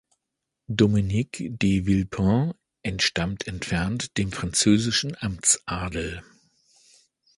Dominique de Villepin entstammt entfernt dem französischen Amtsadel.